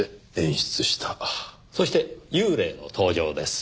そして幽霊の登場です。